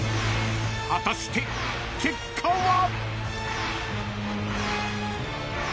［果たして結果は！？］